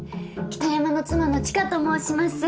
北山の妻の知花と申します。